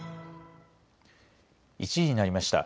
１時になりました。